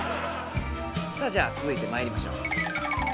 さあじゃつづいてまいりましょう。